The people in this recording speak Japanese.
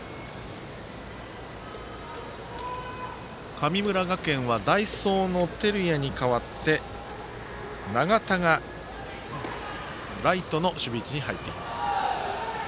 神村学園は代走の照屋に代わって永田がライトの守備位置に入っています。